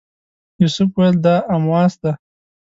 یوسف ویل دا امواس دی.